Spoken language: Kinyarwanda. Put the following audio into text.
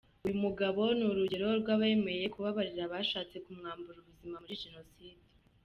Uyu mugabo ni urugero rw’abemeye kubabarira abashatse kumwambura ubuzima muri Jenoside.